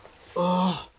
ああ。